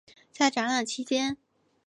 在展览期间。